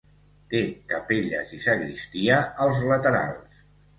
Té capelles i sagristia als laterals.